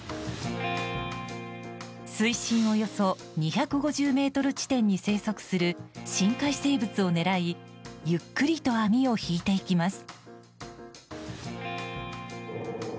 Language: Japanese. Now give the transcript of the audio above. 水深およそ２５０ｍ地点に生息する深海生物を狙いゆっくりと網を引いていきます。